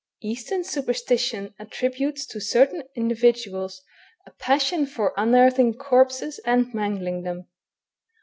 Eastern superstition attributes to certain individuals a passion for unearthing corpses and mangling them.